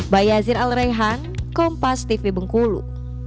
bayazin al reyhan kompas tv bengkulu